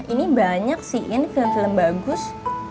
ini banyak sih ini film film bagus